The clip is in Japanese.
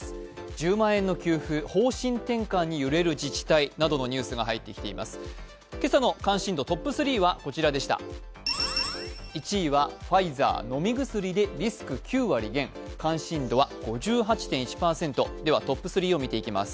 １０万円の給付、方針転換に揺れる自治体などのニュースが入ってきています。